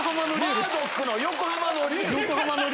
マードックの横浜の龍。